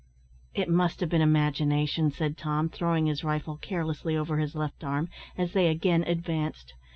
"It must have been imagination," said Tom, throwing his rifle carelessly over his left arm, as they again advanced.